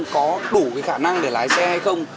có đủ cái khả năng để lái xe hay không